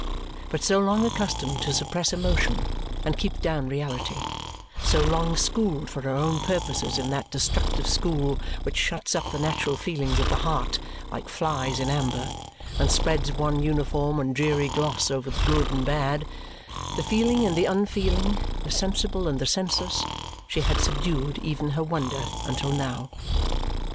But so long accustomed to suppress emotion and keep down reality, so long schooled for her own purposes in that destructive school which shuts up the natural feelings of the heart like flies in amber and spreads one uniform and dreary gloss over the good and bad, the feeling and the unfeeling, the sensible and the senseless, she had subdued even her wonder until now.